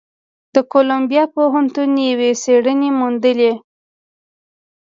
د کولمبیا پوهنتون یوې څېړنې موندلې،